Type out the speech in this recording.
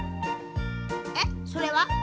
えっそれは？